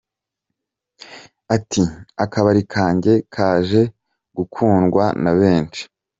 Ati “ Akabari kanjye kaje gukundwa na benshi.